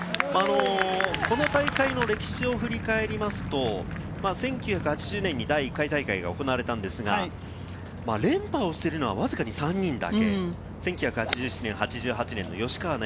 この大会の歴史を振り返りますと、１９８０年に第１回大会が行われたんですが、連覇をしているのが、わずかに３人だけ。